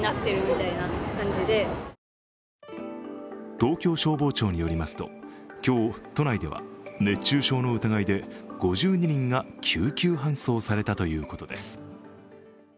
東京消防庁によりますと今日、都内では熱中症の疑いで５２人が救急搬送されたということです。